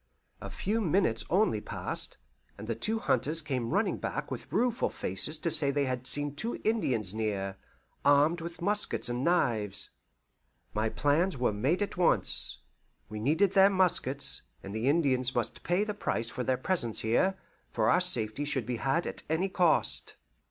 A few minutes only passed, and the two hunters came running back with rueful faces to say they had seen two Indians near, armed with muskets and knives. My plans were made at once. We needed their muskets, and the Indians must pay the price of their presence here, for our safety should be had at any cost.